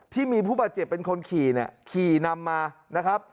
ที่มีผู้บาดเจ็บเป็นคนขี่เนี่ยขี่นำมานะครับ